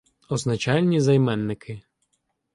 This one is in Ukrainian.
Означальні займенники